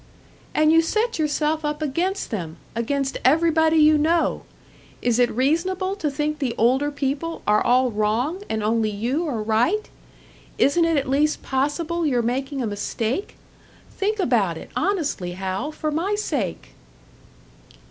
"And you set yourself up against them against everybody you know! Is it reasonable to think the older people are all wrong, and only you are right? Isn't it at least possible you're making a mistake? Think about it honestly, Hal, for my sake!"